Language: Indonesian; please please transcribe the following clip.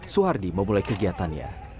soehardi memulai kegiatannya